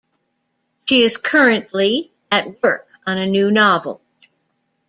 She is currently at work on a new novel.